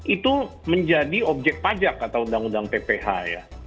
itu menjadi objek pajak atau undang undang pph ya